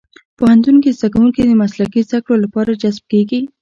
پوهنتون کې زدهکوونکي د مسلکي زدهکړو لپاره جذب کېږي.